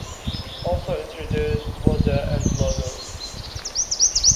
Also introduced was a and logo.